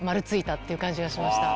って感じがしました。